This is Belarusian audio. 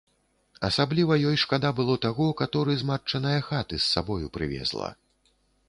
Асабліва ёй шкада было таго, каторы з матчынае хаты з сабою прывезла.